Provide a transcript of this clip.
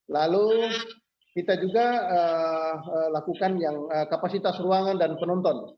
lalu kita juga lakukan yang kapasitas ruangan dan penonton